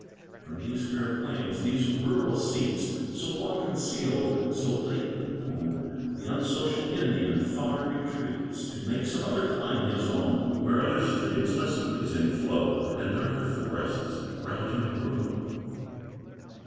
From these fair plains, these rural seats, So long concealed, so lately known, The unsocial Indian far retreats, To make some other clime his own, Where other streams, less pleasing, flow, And darker forests round him grow.